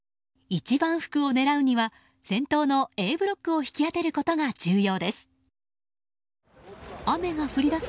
一番福を狙うには先頭のＡブロックを引き当てることが重要です。